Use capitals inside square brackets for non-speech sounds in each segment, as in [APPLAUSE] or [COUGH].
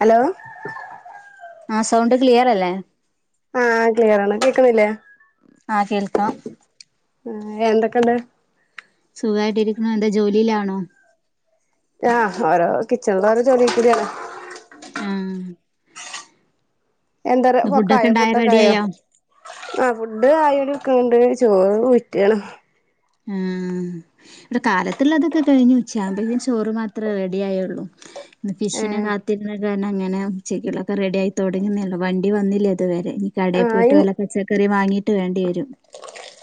Hello ആഹ് sound clear അല്ലേ ആഹ് ക്ലിയർ ആണ് കേക്കുന്നില്ലേ ആഹ് കേൾക്കാം ആഹ് എന്തൊക്കഉണ്ട് സുഗമായിട്ടിരിക്കുന്നു എന്താ ജോലിയിലാണോ ആഹ് ഓരോ കിച്ചണില ഓരോ ജോലി [UNINTELLIGIBLE] ആഹ് എന്ത റേ വോക്കായോ ഫുഡക്കെ ആയോ റെഡിയായോ ആഹ് ഫുഡ് ആയിരിക്കണ്ട് ചോറ് ഊറ്റാണ് ഉം കാലത്തുള്ളതൊക്കെ കഴിഞ്ഞു ഉച്ച ആവുമ്പഴതെന്ന് ചോറ് മാത്രമേ റെഡി ആയുള്ളൂ ഫിഷിനെ ഏഹ് കാത്തിരുന്നകാരണം അങ്ങനെ ഉച്ചക്കോളതൊക്കെ റെഡി ആയി തുടങ്ങുന്നഉള്ളു വണ്ടി വന്നില്ല ഇതുവരെ കടെ ആഹ് പോയിട്ട് വല്ല പച്ചക്കറി വാങ്ങീട്ട് വരേണ്ടി വരും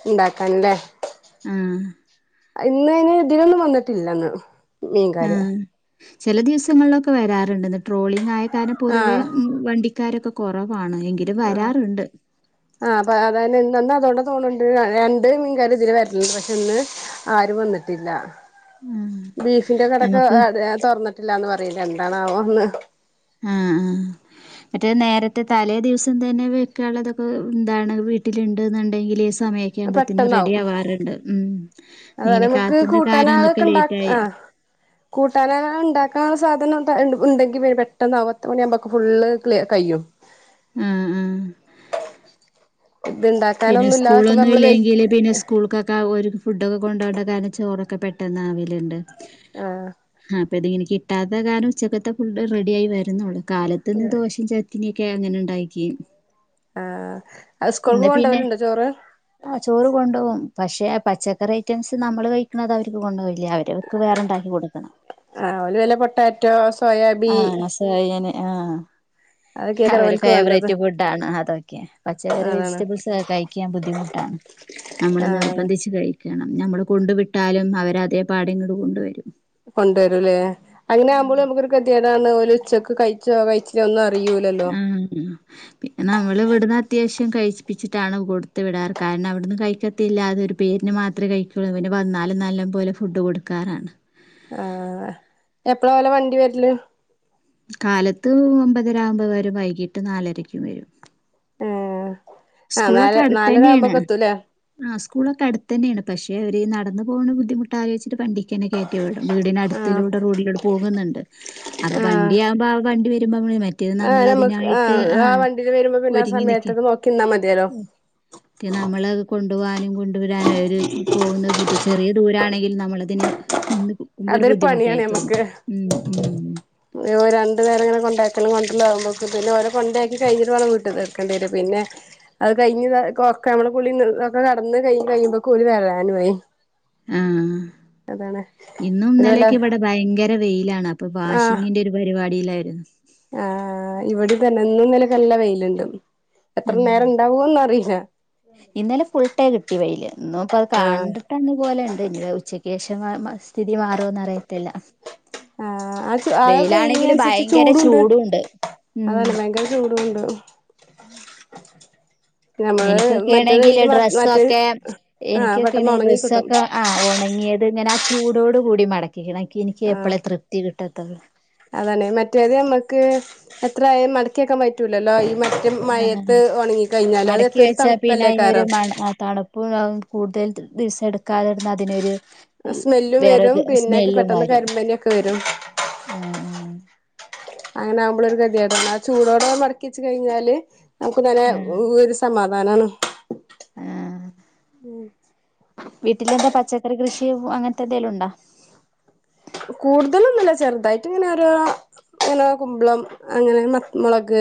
ഉണ്ടാക്കാൻ ല്ലേ ആഹ് ഇന്ന് അതിന് ഇതിലൊന്നും വന്നിട്ടില്ലന്ന് ആ മീൻകാര് ചില ദിവസങ്ങളിലൊക്കെ വരാറുണ്ട്ന്ന് ട്രോളിംഗ് ആയകാരണം പൊതുവേ ആഹ് വണ്ടി ക്കാരൊക്കെ കൊറവാണ് എങ്കിലും ആഹ് വരാറുണ്ട് ആഹ് അപ്പൊ അതന്നെ ഇന്ന് എന്നാ അതോണ്ടന്ന് തോന്നുന്നുണ്ട് രണ്ട് മീൻകാര് ഇതിലെ വരലല്ണ്ട് പക്ഷെ ഇന്ന് ആരും വന്നിട്ടില്ല ആ ബീഫിന്റെ കടക്കെ നമുക്ക് തുറന്നിട്ടില്ലാന്ന് പറയല് എന്താണാവോ ഇന്ന് ആഹ് ആഹ് മറ്റേ നേരത്തെ തലേ ദിവസം തന്നെ വെക്കാനൊള്ളത് ഒക്കെ എന്താണ് വീട്ടിലുണ്ട എന്നുണ്ടെങ്കില് സ് സമയയൊക്കെ ആകുമ്പത്തെന് റെഡി പെട്ടെന്നാവും ആവാറുണ്ട് ഉം അതുപോലെ മീൻ നമുക്ക് കത്തുനിന്നകാ രണമം ഇന്ന് ഇപ്പൊ ലേറ്റ് ആയെ കൂട്ടാനങ്ങാണം ഉണ്ടാക്കാനുള്ള സാധനം ഉണ്ട ഉണ്ടെങ്കിൽ പെട്ടെന്ന് അവ പത്ത് മണിയാമ്പളേക്ക് ഫുള് കഴിയും ഉം ഉം ഇത്ണ്ടാക്ക് പിന്നെ സ്കൂളൊന്നും ഇല്ലെങ്കില് പിന്നെ സ്കൂൾക്കൊക്കെ ഒര് ഫുഡൊക്കെ കൊണ്ട പോവണ്ടാ കാരണം ചോറൊക്കെ പെട്ടെന്ന് ആവലുണ്ട് ആഹ് അപ്പ ഇതിങ്ങനെ കിട്ടാത്ത കാരണം ഉച്ചക്കത്തെ ഫുഡ് റെഡിയായി വരുന്നുള്ളൂ കാലത്ത് പിന്നെ ദോശയും ചട് ഇനിയൊക്കെ അങ്ങനെ ഉണ്ടായി‌ക്കി യും ആഹ് അത് സ്കൂൾക്ക് കൊണ്ടു പിന്നെ പോലുണ്ടോ ചോറ് ആ ചോറ് കൊണ്ടുപോകും പക്ഷേ പച്ചക്കറി ഐറ്റംസ് നമ്മൾ കഴിക്കണത് അവർക്ക് കൊണ്ട് [UNINTELLIGIBLE] ഇല്ല അവരെക്ക് വേറെ ഉണ്ടാക്കി കൊടുക്കണം ആഹ് ഒന് വല്ല പൊട്ടാറ്റോ സോയാബി യ്യ് കയ്യനെ ആഹ് അത് അവരെ ഫേവറേറ്റ് ഫുഡ്‌ ആണ് അതൊക്കെ പച്ചക്കറി അതാണ് വെജിറ്റബിൾസ് ഒക്കെ കഴിക്കാൻ ബുദ്ധിമുട്ടാണ് നമ്മള് ആഹ് നിർബന്ധിച്ച് കഴിക്കണം നമ്മള് കൊണ്ടു വിട്ടാലും അവരതെപാടെ ഇങ്ങട് കൊണ്ടു വരും കൊണ്ടുവരൂല്ലേ അങ്ങനെ ആകുമ്പോൾ നമുക്കൊരു ഗതികേടാണ് ഓല് ഉച്ചക്ക് കഴി കഴിച്ചോ കഴച്ചിലെയോ ഒന്നും അറി യൂല്ലല്ലോ പി നമ്മൾ ഇവിടുന്ന് അത്യാവശ്യം കഴിച്ചിപ്പിച്ചിട്ടാണ് കൊടുത്ത് വിടാറ് കാരണം അവിടുന്ന് കഴിക്കത്തില്ലാതൊരു പേരിന് മാത്രമേ കഴിക്കുകയുള്ളൂ പിന്നെ വന്നാലും നല്ല പോലെ ഫുഡ് കൊടുക്കാറാണ് ആഹ എപ്പളാ ഓലെ വണ്ടി വെര്ല് കാലത്ത് ഒമ്പതര ആകുമ്പോൾ വരും വൈകിട്ട് നാലരക്കും വരും ഏഹ് ആ നല് നാലര ആവുമ്പോക്കെ എത്തൂല്ലേ ആഹ് സ്കൂളൊക്കെ അടുത്തന്നെണ് പക്ഷെ അവര് ഈ നടന്ന പോണ ബുദ്ധിമുട്ട് ആയിച്ചിട്ട് ബണ്ടിക്കന്നെ കെ റ്റി വിടും ആഹ് വീടിനടുത്തിലൂടെ റോഡിലൂടെ പോകുന്നുണ്ട് അപ്പൊ വണ്ടിയാകുമ്പോ ആ വണ്ടി വരുമ്പോ മള് ആ നമുക്ക് ആഹ് ആ വണ്ടി വരുമ്പോ പിന്നെ ആ സമയത്തൊക്കെ നോക്കിന്നാ മതി ഉം ക് നമ്മളത് കൊണ്ടു പോവാനും കൊണ്ടുവരാനും ഒരു പോവുന്ന ബു ട്ട് ചെറിയ ദൂരാണെങ്കിൽ നമ്മളതിന് നിന്ന് മ്പൊ ഒരു അതൊരു പണിയാണ് ബുദ്ധിമുട്ടായി തോന്നും ഉം ഉം ഒരു രണ്ടു നേരംങ്ങനെ കൊണ്ടാക്കല കൊണ്ടരല്ലാവകുമ്പോക്ക് പിന്നെ ഓര കൊണ്ടാക്കി കഴിഞ്ഞിട്ട വേണം വീട്ട് തീർക്കേണ്ട വരും പിന്നെ അത് കഴിഞ്ഞ് ഒക്കെ നമ്മള കുളി ഒക്കെ കടന്ന് കഴ കഴിയുമ്പൊക്ക്‌ [UNINTELLIGIBLE] ആ അതാണ് ഇന്നും പിന്നെ വല്ല ഇന്നലെയക്കെ ഇവിടെ ഭയങ്കര വെയിലാണ് അപ്പൊ ആഹ് വാഷിങ്ങിന്റെ ഒരു പരിപാടിയിലായിരുന്നു ആഹ് ഇവിടെതന്നെ ന്നുംനിലക്ക നല്ല വെയില്ണ്ട് ഉം ഇന്നലെ ഫുൾടൈ കിട്ടി വെയില് ഇന്നും ഇപ്പ അത് ആഹ് കാണ്ട് പെട്ടെന്ന് പോലെയുണ്ട് ഇനി ഉച്ചക്ക് ശേഷം സ്ഥിതി മാറുംന്ന് അറിയത്തില്ല ആഹ് അത് അത് വെയിലാണെങ്കില് വെയിലിനനുസരിച്ച് ഭയങ്കര ചൂടുണ്ട് ഉം അതാണ് ഭയങ്കര ചൂടുണ്ട് ഞമ്മള് എനിക്കൊക്കെ മറ്റേ ആണെങ്കില് വെയില് മാ മറ്റേ ഡ്രസ്സൊക്കെ ആഹ് എനിക്കൊക്കെ പെട്ടെന്ന് ആണെങ്കിൽ ഒണങ്ങി കിട്ടും ഡ്രസ്സൊക്ക ആ ഉണങ്ങിയത് ഇങ്ങനെ ആ ചൂടോടു കൂടി മടക്കിക്കണം എനിക്ക് ആഹ് എനിക്കപ്പളേ തൃപ്തി കിട്ടത്തുളളു അതാണ് മറ്റേത് നമ്മുക്ക് എത്രയയും മടക്കിയക്കാൻ പറ്റൂലല്ലോ ഈ മ രു ആഹ് മഴയത്ത് ഉണങ്ങി കഴിഞ്ഞാല് അത് ത ഒരു തണുപ്പല്ലേകാരം അണ് അ തണു പ്പുവവും കൂടുതൽ ദിവസം എടുക്കാതിരുന്ന അതിനൊരു സ്മെല്ലും വേറെ വരും പിന്നെക്കെ സ്മെല്ലും പെട്ടെന്ന് വരും കരിമ്പനൊക്കെ വരും ആഹ് ആഹ് അങ്ങനെ ആകുമ്പളൊരു ഗതിയേടാണ് ആ ചൂടോടെ മടക്കിച്ച് കഴിഞ്ഞാല് നമുക്ക് നനെ ആഹ് ഒരു സമാധാനാണ് ആഹ് ഉം വീട്ടിലെന്താ പച്ചക്കറി കൃഷിയും അങ്ങനത്തെ ന്തെലും ണ്ടാ കൂടുതലൊന്നുല്ല ചെറുതായിട്ട് ഇങ്ങനെര ഇങ്ങനെ കുമ്പളം അങ്ങനെ മത്ത മുളക്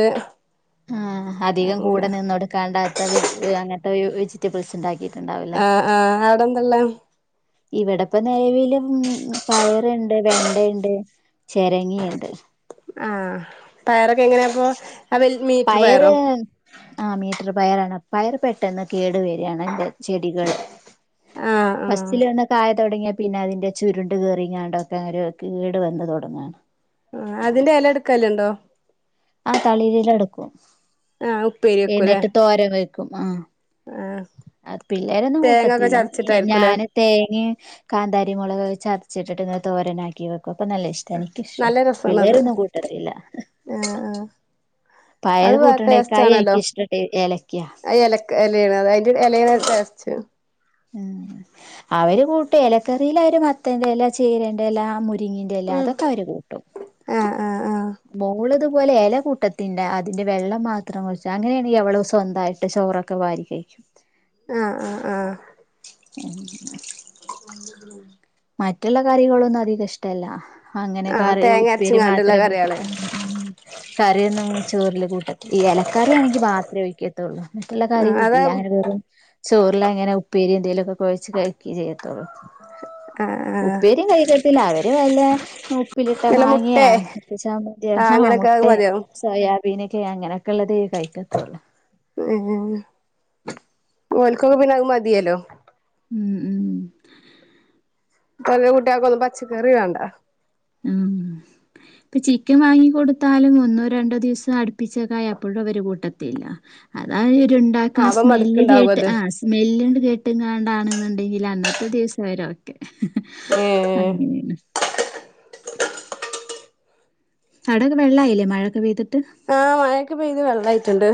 ആഹ് അധികം കൂടെ നിന്നോടുക്കാണ്ടാത്ത വെജി അങ്ങനത്തെ വെജിറ്റബിൾസ് ണ്ടാക്കി ആഹ് ആഹ് അവിടെന്തള്ളെ? ഇവിടെപ്പ നെലവിലും പയറുണ്ട് വെണ്ട ഇണ്ട് ചിരങ്ങയുണ്ട് ആഹ് പയറൊക്കെ എങ്ങനെയാപ്പൊ ആ വൽ മീറ്റർ പയറോ പയറ് ആ മീറ്റർ പയറാണ് പയർ പെട്ടെന്ന് കേടു വരാണ് അയിൻ്റെ ചെടികള് ആഹ് ആഹ് ഫസ്റ്റില് തന്നെ കായ തുടങ്ങിയാൽ പിന്നെ അതിൻ്റെ ചുരുണ്ട് കേറിങ്ങാണ്ടൊക്കെ ഒര് കേട് വന്ന് തൊടങ്ങാണ് ആഹ അതിന്റെ എല ഇട്ക്കല്ണ്ടോ ആഹ്‌ തളിരില എടുക്കും ആഹ ഉപ്പേരി വെക്കുലെ തോരൻ വെക്കും ആഹ ആഹ അത് പിള്ളേരൊന്നും കൂട്ടത്തില്ല എഹ്‌ ഞാന് തേങ്ങയും കാന്താരി മുളക് ചതച്ചിട്ടിട്ട് ഇങ്ങനെ തോരനാക്കി വെ അപ്പൊ നല്ല ഇഷ്ടാ എനിക്കിഷ്ടാ നല്ല രസാണത് പിള്ളേരൊന്നും കൂട്ടത്തില്ല ആഹ് ആഹ് പയർ അത് വേറെ ടേസ്റ്റ് കൂട്ട്ണേക്കായി എനിക്കിഷ്ടം ടെ ഏലക്കാ എലേണ് അതിന്റെ എലേണ് ടേസ്റ്റ് ഉം അവര് കൂട്ടേ ഇലക്കറില് അവര് മത്തന്റെലാ ചിരേന്റല മുരി ങ്ങിന്റെലാ അതൊക്കെ അവര് കൂട്ടും ആഹ ആഹ ആഹ മോള് ഇതുപോലെ ഇല കൂട്ടത്തിന്റ അതിന്റെ വെള്ളം മാത്രം കുറച്ച് അങ്ങനെയാണെങ്കിൽ അവള് സ്വന്തായിട്ട് ചോറ് ഒക്കെ വാരികഴിക്കും ആഹ ആഹ് ആഹ [UNINTELLIGIBLE] [UNINTELLIGIBLE] മറ്റ്ള്ള കറികളൊന്നും അധികം ഇഷ്ടല്ല അങ്ങനെ ആഹ് കറി തേങ്ങ ഉപ്പേരി അരച്ച്ങ്ങാണ്ടുള്ള മാത്രേ കൂട്ടി കറികള് ഉം ഉം കറിയൊന്നും ചോറില് കൂട്ടത്തി ഈ ഇലക്കറിയാണെങ്കി മാത്രം ഒഴിക്കത്തൊള്ളൂ മറ്റ് ഇള്ള കറി ആഹ് അതാ കൂട്ടില്ല അങ്ങനെ വെറും ചോറിലങ്ങനെ ഉപ്പേരി എന്തേലും ഒക്കെ കുഴച്ച് കഴിക്കേ ചെയ്യത്തുള്ളൂ ആഹ് ഉപ്പേരിം കഴിക്കത്തില്ല അവര് വല്ല ഉപ്പിലിട്ട നല്ല മുട്ടേ മാങ്ങിയാ ചമ്മന്തിയോ ആഹ് ആഹ അങ്ങനൊക്കെ അത് മുട്ടേ മതിയാവും സോയാബീനൊക്കെ അങ്ങനെക്കെ ഉള്ളതേ കഴിക്കത്തുള്ളൂ ഏഹ് ഓൽക്കൊക്കെ പിന്നെ അത് മതിയല്ലോ ഉം ഉം ഈ പറയിണ കുട്ടിയാൾക്ക് ഒന്നും പച്ചക്കറി വേണ്ട ഉം [UNINTELLIGIBLE] ഇപ്പൊ ചിക്കൻ വാങ്ങി കൊടുത്താലും ഒന്നോ രണ്ടോ ദിവസം അടുപ്പിച്ചൊക്കായ അപ്പോഴും അവര് കൂട്ടത്തില്ല അത് ആ ആഹ് ഒരുണ്ടാക്ക്ണ അപ്പം സ്മെല്ല് മടുക്കുണ്ടാവും കേട്ട് അത് ആഹ്‌ സ്മെല്ലണ്ട് കേട്ടുംങ്ങാണ്ടാണ്ന്ന്‌ ഇണ്ടെങ്കിൽ അന്നത്തെ ദിവസം അവരോക്കെ ഏഹ് അങ്ങനേണ് അവിടൊക്കെ വെള്ള ആയിലേ മഴൊക്കെ പെയ്തിട്ട് ആഹ് മഴൊക്കെ പെയ്ത് വെള്ളായിട്ടുണ്ട്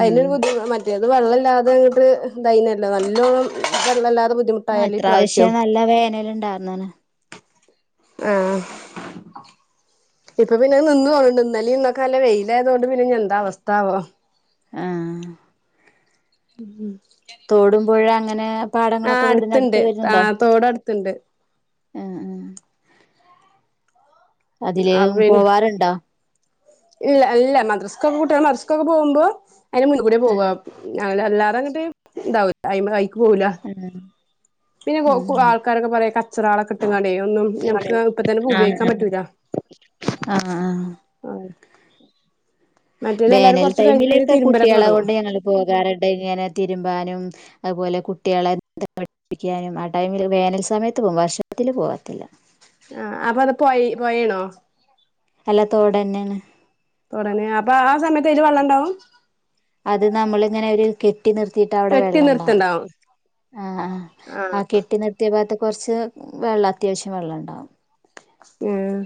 ആഹ് ബുദ്ധിമു മറ്റേ ത് വെള്ള ഇല്ലാതെ ഇങ്ങട്ട് ഇതായിന്നല്ലോ നല്ലോണം വെള്ളം ഇല്ലാതെ ബുദ്ധിമുട്ട് ആഹ്‌ ഇത്രാവിശ്യം നല്ല വേനൽ ഇണ്ടായിരുന്ന്ണ് ആഹ ഇപ്പൊ പിന്നെ അത്‌ നിന്ന് തോന്ന്ണ്ട് ഇന്നലിം ഇന്നൊക്കെ നല്ല വെയിലായതു കൊണ്ട് പിന്നെ ഇനി എന്താ അവസ്ഥാവോ ആഹ് ഉം തോടും പുഴ അങ്ങനെ പാടങ്ങളൊക്കെ വീടിനടുത്ത് വരുന്ന്ണ്ടോ ഇണ്ട് അതില് അഹ് പിന്നെ പോവാറ്ണ്ടോ ഇല്ല ഇല്ല മദ്രസ്ക്ക് ഒക്കെ കുട്ട്യാള് മദ്രസ്ക്കൊക്കെ പോവ്മ്പോ അതിന്റെ മുന്ന് കൂടിയ ആഹ് പോവ അങ്ങനെ എല്ലാരും അങ്ങിട്ട് ഇതാവൂല്ല അയിമ്മെ അയിക്ക് പോവൂല ഉം പിന്നെ കൊ ആൾക്കാരൊക്കെ പറയേ കാച്ചാറാള് ഇണ്ട്കാണ്ട് ഒന്നും ആഹ് നമുക്ക് ഇപ്പൊ തന്നെ പോ ആഹ് ഉപയോഗിക്കാൻ പറ്റൂല ആഹ് ആഹ് ആഹ്‌ വേനൽ കൊറച്ച് കഴിഞ്ഞ് ടൈമിലൊക്കെ തിരുമ്പലൊക്കെ കുട്ടികളെ തൊടങ്ങും കൊണ്ട് ഞങ്ങള് പോകാറുണ്ട് ഇങ്ങനെ തിരുമ്പാനും അതുപോലെ കുട്ടികളെ നിന്തൽ പഠിപ്പിക്കാനും ആ ടൈമിൽ വേനൽ സമയത്ത് പോകുമ്പോ വർഷത്തില് പോവാത്തില്ല ആഹ്‌ അപ്പൊ അത് പോയ പോയണോ അല്ലാത്തോടെന്ന തുടന്നെ അപ്പൊ ആ സമയത്ത് ഇ വെള്ളം ഉണ്ടാവും അത് നമ്മളിങ്ങനെ ഒരു കെട്ടി കെട്ടി നിർത്തിയിട്ട് അവിടെ കെട്ടി വെള്ളം ഉണ്ടാവും നിർത്തണ്ടാവും ആഹ്‌ ആഹ്‌ ആഹ് ആഹ്‌ കെട്ടി നിർ ത്യാ ഭാഗത്ത് കുറച്ച് വെള്ളം അത്യാവശ്യം വെള്ളം ഉണ്ടാവും ഉം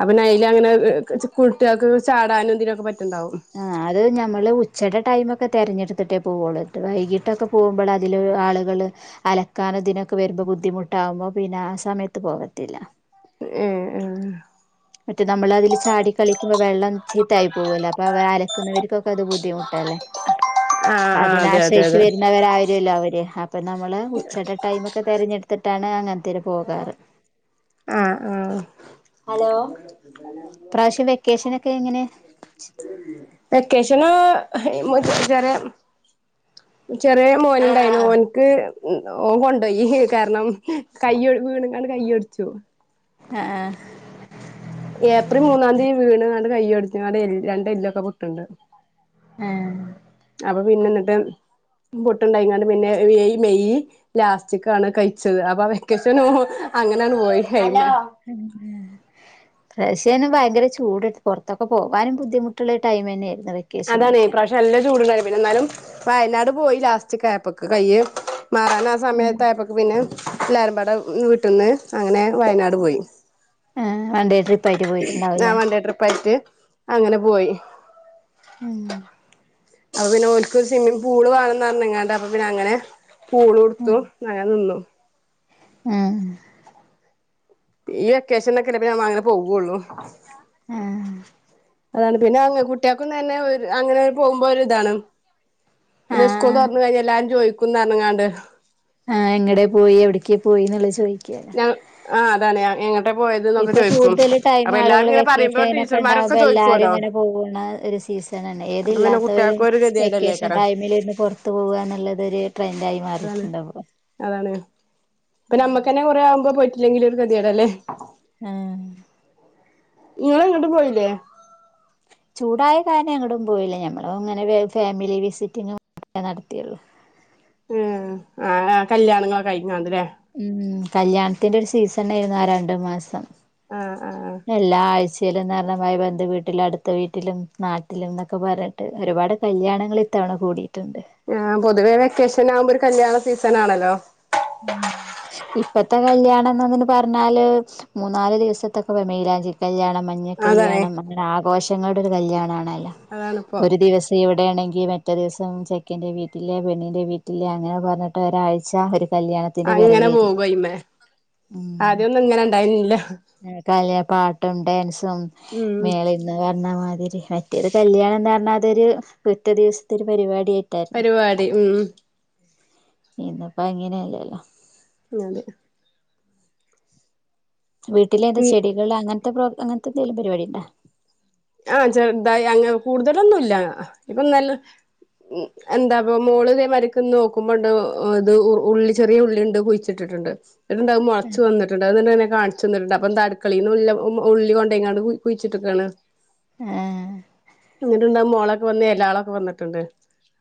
അപ്പൊ നൈൽ അങ്ങനെ ഏഹ് കുട്ടികൾക്കൊക്കെ ചാടാനും എന്തിനൊക്കെ പറ്റുണ്ടാവും ആ അത് ഞമ്മള് ഉച്ചേടെ ടൈമൊക്കെ തെരഞ്ഞെടുത്തിട്ടേ പോവുള്ള വൈകിട്ടൊക്കെ പോകുമ്പളതിലൊരു ആളുകളെ അലക്കാൻ അതിനൊക്കെ വരുമ്പ ബുദ്ധിമുട്ടാകുമ്പ പിന്നാ സമയത്ത് പോകത്തില്ല ഉം ഉം മറ്റേ നമ്മളതിലു ചാടി കളിക്കുമ്പ വെള്ളം ചീത്തായി പോവേല്ലെ അപ്പ വേ അലക്കുന്നവർക്കൊക്കെ അത് ബുദ്ധിമുട്ടല്ലേ [UNINTELLIGIBLE] ആഹ് അതെ അതെ അതിനാശ്രയിച്ചു അതെ വരുന്നവരാരുല്ലോ അവര് അപ്പം നമ്മളെ ഉച്ചേടെ ടൈമൊക്കെ തിരഞ്ഞെടുത്തിട്ടാണ് അങ്ങനെത്തേര് പോകാറ് ആഹ് ആഹ് ഹലോ ഇപ്രാവശ്യം വെക്കേഷനൊക്കെ എങ്ങനെ വെക്കേഷനേ വച്ചാരെ ചെറിയ മോനുണ്ടായി മോൻക്ക് ഓൻ കൊണ്ടോയി കാരണം കയ്യൊ ഴ്‌ വീണെങ്ങാണ്ട് കയ്യൊടിച്ചോ ആഹ് ആഹ് ഏപ്രി മൂന്നാന്തിയ വീണ് എങ്ങാണ്ട് കയ്യൊടിഞ്ഞു അടെ എല്ല് രണ്ട് എല്ലൊക്കെ പൊട്ടുണ്ട് ഏഹ് അപ്പം പിന്നെന്നിട്ട് പുട്ടുണ്ടായിക്കൊണ്ട് പിന്നെ എയ് മെയ് ലാസ്റ്റിക്കാണ് കയിച്ചത് അപ്പാ വെക്കേഷനോ അങ്ങനങ്ങ് പോയി കഴിഞ്ഞു ഉം വേസേനെ ഭയങ്കര ചൂടുത്ത് പുറത്തൊക്കെ പോകാനും ബുദ്ധിമുട്ടുള്ള ടൈമന്നെ ആയിരുന്നു അത് അതാണ് ഈ പ്രാവശ്യം നല്ല ചൂടുണ്ടായിരുന്നു പിന്നെന്നാലും വയനാട് പോയി ലാസ്റ്റിക്കെ ആയപ്പക്കെ കയ്യെ മാറൻ ഉം സമയത്തായപ്പേക്ക് പിന്നെ എല്ലരമ്പട വീട്ടീന്ന് അങ്ങനെ വയനാട് പോയി ആഹ് വണ്ടേ ട്രിപ്പ്‌ ഞൻ വൺണ്ടേ ട്രിപ്പായിട്ട് അങ്ങനെ പോയി ഉം അപ്പൊ പിന്നെ ഓൽക്കു സ്വിമ്മിംഗ് പൂള് കാണന്ന് പറഞ്ഞെങ്ങാണ്ട് അപ്പൊ പിന്നെങ്ങനെ പൂളു ഒടുത്തു നയന്നോ ആഹ് ഈ വെക്കേഷനൊക്കെ എന്നാ പിന്നെ ഞമ്മ അങ്ങനെ പോകുവൊള്ളൂ ആഹ് അതാണ് പിന്നെ കുട്ടികക്കും തന്നെ ഒരു അങ്ങനെ പോകുമ്പൊ ഒരു ഇതാണ് പിന്നെ സ്കൂൾ ആഹ് തുറന്നു കഴിഞ്ഞാൽ എല്ലാരും ചോദിക്കുംന്ന് എറങ്ങാണ്ട് ആഹ് എങ്ങടെ പോയി എവിടേക്ക് പോയിന്നുള്ള ചോദിക്യാ ആഹ് അതാണ് എങ്ങ ഇപ്പൊ കൂടുതലു ടൈം ആളുകളു ഇങ്ങനെ പറയുമ്പോ വെക്കേഷനൊക്കെ ടീച്ചർമാരൊക്കെ ഉണ്ടാവുമ്പോ എല്ലാരും ചോദിക്കുവല്ലോ ഇങ്ങനെ പോകുന്ന ഒരു സീസൺ തന്നെന്നെ അപ്പൊ പിന്നെ ഏതില്ലാത്തവരും കുട്ടികൾക്കും ഒരു വെക്കേഷൻ ഗതികേടല്ലേക്കാരം ടൈമിലിന്ന് പുറത്തു പോവുകാന്നുള്ളതൊരു ട്രെൻഡായി അതാണ് മാറിട്ട്ണ്ടാവും അതാണ് ഇപ്പ നമ്മക്കന്നെ കൊറെ ആവുമ്പ പോയിട്ടില്ലെങ്കിൽ ഒരു കെത്യേട് അല്ലേ. ആഹ് ഇങ്ങള്ങ്ങട്ടും പോയില്ലേ? ചൂടായ കാരണം എങ്ങോട്ടും പോയില്ല ഞമ്മളും അങ്ങനെ ഫാമിലി വിസിറ്റിങ്ങ് നടത്തിയുള്ളു. ഏഹ് ആഹ് കല്ല്യാണങ്ങൾ കഴിഞ്ഞോണ്ട് ല്ലേ? ഉം കല്യാണത്തിന്റെ ഒരു സീസൺ ആയിരുന്നു ആഹ് രണ്ട് മാസം. ആഹ് ആഹ് ആഹ് എല്ലാ ആഴ്ചയിലും ധാരണമായ ബന്ധു വീട്ട്ലും അടുത്ത വീട്ട്ലും നാട്ടിലും ന്നൊക്കെ പറ്യ. ട്ട് ഒരുപാട് കല്യാണങ്ങൾ ഇത്തവണ കൂടിയിട്ടുണ്ട്. ആഹ് പൊതുവേ വെക്കേഷൻ ആകുമ്പോ ഒരു കല്യാണ സീസൺ ആണല്ലോ. ഉം ഇപ്പത്തെ കല്യാണം [UNINTELLIGIBLE] പർഞ്ഞാല് മൂന്നാല് ദിവസത്തൊക്കെ വ മൈലാഞ്ചി കല്യാണം മ ഞ്ഞ അതാണേ കല്യാണം അങ്ങനെ ആഘോഷങ്ങളുടെ ഒരു കല്യാണാണല്ലോ അതാണിപ്പോ ഒരു ദിവസ ഇവ്ടെയാണെങ്കി മറ്റേ ദിവസം ചെക്കൻ്റെ വീട്ടിലെ പെണ്ണിൻറെ വീട്ടിലേ അങ്ങനെ പർഞ്ഞിട്ട് ഒരാഴ്ച ഒര് കല്യാണ അങ്ങനെ പോകു അയ്മേ ആദ്യംന്നും ഇങ്ങനെ ഇണ്ടായില്ല. ആഹ് കാലിയ പാട്ടും ഡാൻസും ഉം മേള [UNINTELLIGIBLE] മാതിരി മറ്റേത് കല്യാണം എന്ന് ർഞ്ഞാ അതരു ഒറ്റ ദിവസത്തെ ഒരു പരിപാടിയായി പരിപാടി ഉം ഉം ഇന്ന്പ്പ അങ്ങനെയല്ലല്ലോ. അതെ വീട്ടിലെതാ ഉം ചെടികൾ അങ്ങൻത്തെ പ്രോ അങ്ങൻത്തെ എന്തെലും പരിപാടി ണ്ടോ? ആഹ് ചെർതായി അങ്ങ് കൂടുതലൊന്നുംല്ല. ഇപ്പ നല്ല ഉം എന്താപ്പ മോള് ഇതേ മര്ക്ക്ന്ന് നോക്കുമ്പോണ്ട് ഇത് ഉള്ളി ചെറിയ ഉള്ളിണ്ട് കു ട്ട്ട്ട്ണ്ട് ഇത്ണ്ടാവും മൊളച്ച് വന്ന് [UNINTELLIGIBLE] കാൺച്ചന്ന്ട്ട്ണ്ട് അപ്പം ന്താ അട്ക്കളേന്ന് മെല്ലെ ഉള്ളി കൊണ്ടോയിക്കാണ്ട് കുഴിച്ചിട്ടക്കാണ്. ഏഹ് എന്നിട്ട്ണ്ടാവും മൊളക്കെ വന്ന് എലളാക്കെ വന്ന്ട്ട്ണ്ട്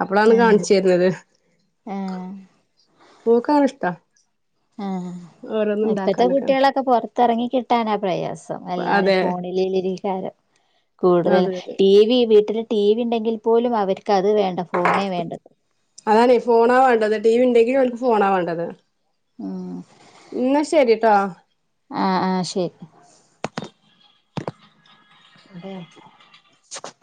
അപ്പോളാണ് ആഹ് കാൺച്ചര്ന്നത്. ആഹ് പൂക്കങ്ങനെ ഷ്ടാ. ആഹ് ഇപ്പഴത്തെ കുട്ട്യളക്കെ പൊർത്തറങ്ങി കിട്ടാനാ പ്രയാസം. എല്ലാരേ അതെ ഫോണിലിലിരിക്കാരം കൂടുതൽ അതെ അതെ ടി വി വീട്ടിൽ ടി വി ണ്ടെങ്കിൽ പോലും അവർക്ക് അത് വേണ്ട ഫോണേ വേണ്ടത്. അതാണേ ഫോണാ വാണ്ടത് ടി വി ണ്ടെങ്കി ഓൽക്ക് ഫോണാ വാണ്ടത്. ആഹ് ന്ന ശരിട്ടോ. ആഹ് ആഹ് ശരി അതെ